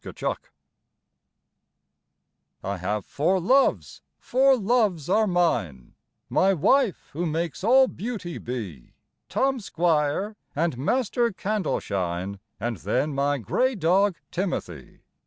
MY ESTATE I have four loves, four loves are mine, My wife who makes all beauty be, Tom Squire and Master Candleshine, And then my grey dog Timothy.